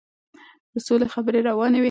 د سولې خبرې روانې وې.